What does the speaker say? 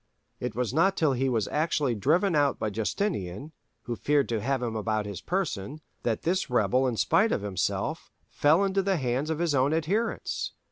It was not till he was actually driven out by Justinian, who feared to have him about his person, that this rebel in spite of himself, fell into the hands of his own adherents.